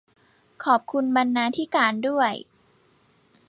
ขอบคุณบรรณาธิการด้วย